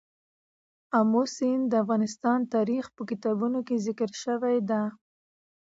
آمو سیند د افغان تاریخ په کتابونو کې ذکر شوی دی.